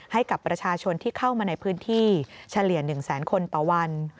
ให้กับประชาชนที่เข้ามาในพื้นที่เฉลี่ย๑แสนคนต่อวัน